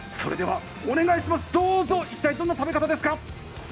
それではお願いします、どうぞ、一体どんな食べ方ですか？